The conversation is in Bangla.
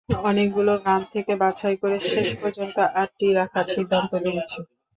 অনেকগুলো গান থেকে বাছাই করে শেষ পর্যন্ত আটটি রাখার সিদ্ধান্ত নিয়েছি।